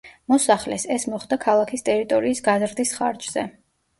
მოსახლეს, ეს მოხდა ქალაქის ტერიტორიის გაზრდის ხარჯზე.